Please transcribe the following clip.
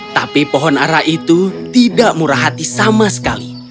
tapi pohon arah itu tidak murah hati sama sekali